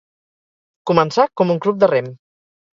Començà com un club de rem.